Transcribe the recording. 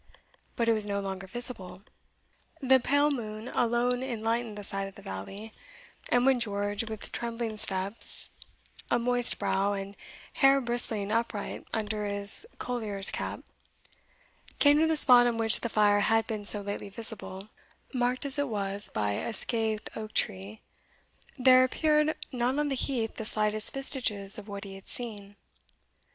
But it was no longer visible. The pale moon alone enlightened the side of the valley; and when George, with trembling steps, a moist brow, and hair bristling upright under his collier's cap, came to the spot on which the fire had been so lately visible, marked as it was by a scathed oak tree, there appeared not on the heath the slightest vestiges of what he had seen.